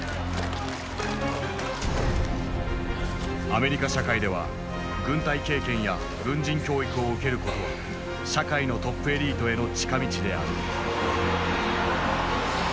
アメリカ社会では軍隊経験や軍人教育を受けることは社会のトップエリートへの近道である。